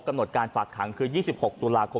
กำหนดการฝากหางคือ๒๖ตอค